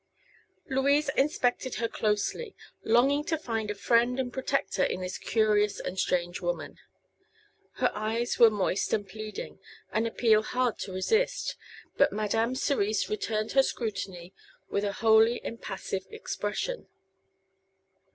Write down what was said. Louise inspected her closely, longing to find a friend and protector in this curious and strange woman. Her eyes were moist and pleading an appeal hard to resist. But Madame Cerise returned her scrutiny with a wholly impassive expression.